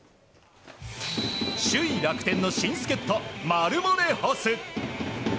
首位、楽天の新助っ人マルモレホス。